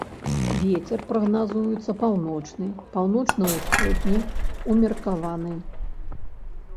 Вецер прагназуецца паўночны, паўночна-ўсходні, умеркаваны.